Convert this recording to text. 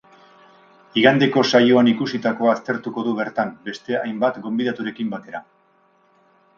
Igandeko saioan ikusitakoa aztertuko du bertan, beste hainbat gonbidaturekin batera.